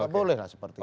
bolehlah seperti itu